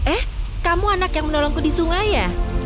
eh kamu anak yang menolongku di sungai ya